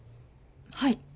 はい。